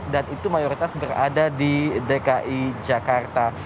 dan itu mayoritas berada di dki jakarta